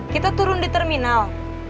kita turun di terminal